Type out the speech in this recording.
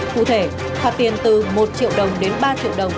cụ thể phạt tiền từ một triệu đồng đến ba triệu đồng